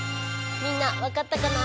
みんなわかったかな？